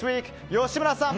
吉村さん